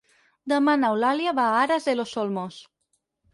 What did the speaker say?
Demà n'Eulàlia va a Aras de los Olmos.